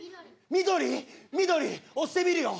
緑緑押してみるよ。